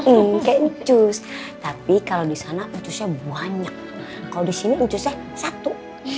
iya kayak ancus tapi kalau disana ancusnya banyak kalau disini ancusnya satu